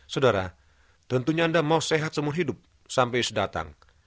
saudara tentunya anda mau sehat seumur hidup sampai sedatang